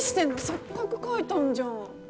せっかく書いたんじゃん。